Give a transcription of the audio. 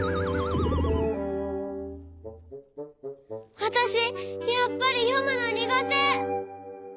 わたしやっぱりよむのにがて。